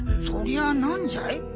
そりゃあ何じゃい？